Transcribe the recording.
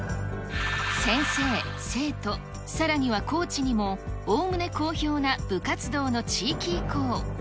先生、生徒、さらにはコーチにも、おおむね好評な部活動の地域移行。